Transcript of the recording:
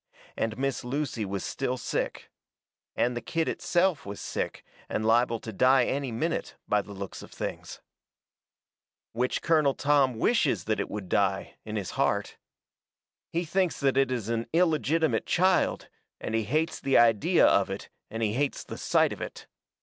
And Miss Lucy was still sick. And the kid itself was sick, and liable to die any minute, by the looks of things. Which Colonel Tom wishes that it would die, in his heart. He thinks that it is an illegitimate child, and he hates the idea of it and he hates the sight of it.